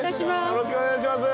よろしくお願いします！